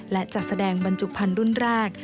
และจัดแสดงบรรจุภัณฑ์รุ่นแรก